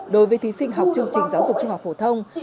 đối với thí sinh học chương trình giáo dục trung học phổ thông